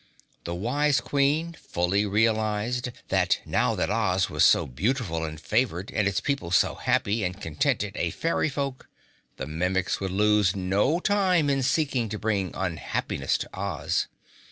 The wise Queen fully realized that now that Oz was so beautiful and favored and its people so happy and contented a fairy folk, the Mimics would lose no time in seeking to bring unhappiness to Oz.